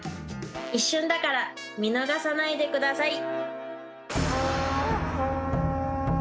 一瞬だから見逃さないでください